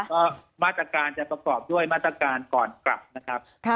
ก็มาตรการจะประกอบด้วยมาตรการก่อนกลับนะครับ